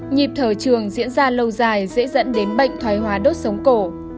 nhịp thở trường diễn ra lâu dài dễ dẫn đến bệnh thoái hóa đốt sống cổ